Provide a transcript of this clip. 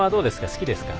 好きですか？